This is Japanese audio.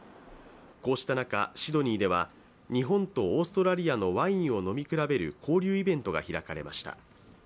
こうした中、シドニーでは日本とオーストラリアのワインを飲み比べる交流イベントが開かれました。